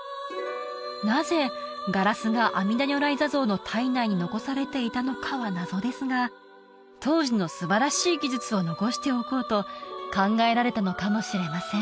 なぜガラスが阿弥陀如来坐像の胎内に残されていたのかは謎ですが当時のすばらしい技術を残しておこうと考えられたのかもしれません